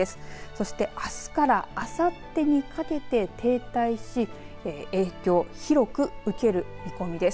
そしてあすからあさってにかけて停滞し、影響広く受ける見込みです。